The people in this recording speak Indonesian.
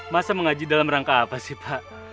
masa mengaji dalam rangka apa sih pak